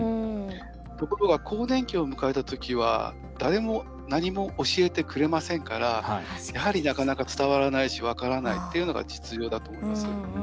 ところが、更年期を迎えたときは誰も何も教えてくれませんからやはり、なかなか伝わらないし分からないっていうのが実情だと思います。